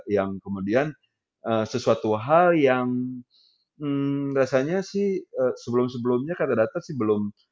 yang kemudian sesuatu hal yang rasanya sih sebelum sebelumnya kata data sih belum